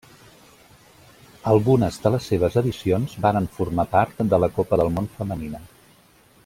Algunes de les seves edicions varen formar part de la Copa del Món femenina.